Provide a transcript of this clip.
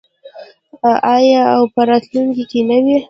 آیا او په راتلونکي کې نه وي؟